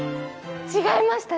違いました